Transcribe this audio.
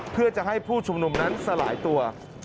เพื่อจะให้ผู้ชุมนุมนั้นสลายตัว